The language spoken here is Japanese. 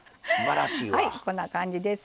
はいこんな感じです。